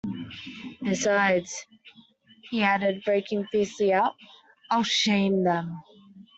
"Besides," he added, breaking fiercely out, "I'll shame them."